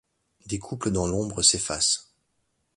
Des couples dans l’ombre s’effacent